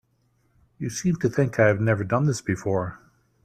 You seem to think I've never done this before.